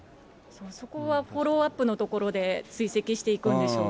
そこはフォローアップのところで追跡していくんでしょう